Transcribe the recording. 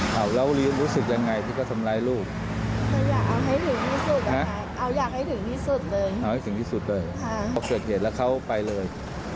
ตั้งแต่วันที่๑๕ก็ไม่เข้าบ้านเลย